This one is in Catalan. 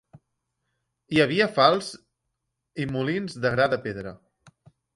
Hi havia falçs i molins de gra de pedra.